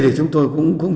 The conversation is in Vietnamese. thì chúng tôi cũng